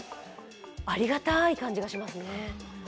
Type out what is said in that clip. ありがたーい感じがしますね。